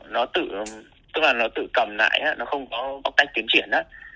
nó tự tức là nó tự cầm lại nó không có bóc thách tiến triển á